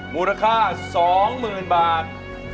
มูลค่าสองหมื่นบาท